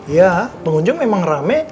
ya pengunjung memang rame